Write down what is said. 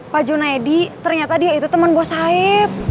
pak junaedi ternyata dia itu temen bos saeb